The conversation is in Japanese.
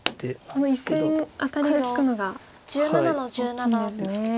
この１線アタリが利くのが大きいんですね。